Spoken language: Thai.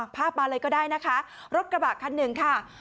ภาพมาเลยก็ได้นะคะรถกระบะคันหนึ่งค่ะ